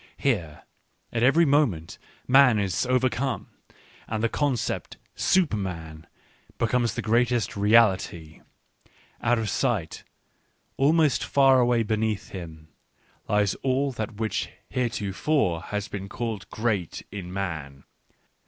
Here, at every moment, man is overcome, and the concept " S uperma n " becomes the greatest reality, — out of sight, almost far away beneath him, lies all that which heretofore has been called great in man.